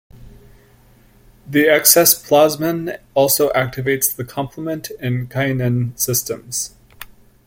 The excess plasmin also activates the complement and kinin systems.